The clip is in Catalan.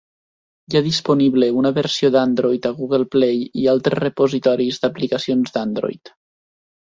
Hi ha disponible una versió d'Android a Google Play i altres repositoris d'aplicacions d'Android.